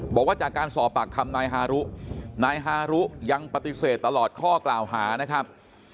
บอกว่าจากการสอบปากคำนายฮารุนายฮารุยังปฏิเสธตลอดข้อกล่าวหานะครับ